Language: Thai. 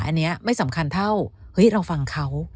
อันนี้ไม่สำคัญเท่าเฮ้ยเราฟังเขา